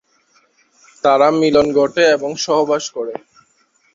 তারা মিলন ঘটে এবং সহবাস করে।